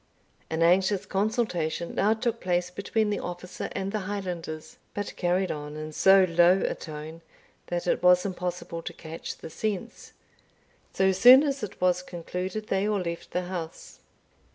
An anxious consultation now took place between the officer and the Highlanders, but carried on in so low a tone, that it was impossible to catch the sense. So soon as it was concluded they all left the house.